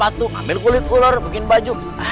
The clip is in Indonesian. aku akan menganggap